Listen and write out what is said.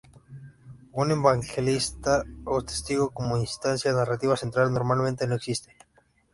Un evangelista o testigo como instancia narrativa central normalmente no existe.